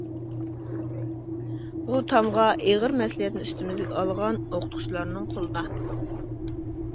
بۇ تامغا ئېغىر مەسئۇلىيەتنى ئۈستىمىزگە ئالغان ئوقۇتقۇچىلارنىڭ قولىدا.